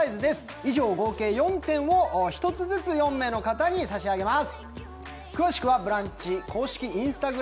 以上合計４点を１つずつ４名の方に差し上げます。